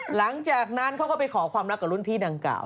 หลังจากนั้นเขาก็ไปขอความรักกับรุ่นพี่ดังกล่าว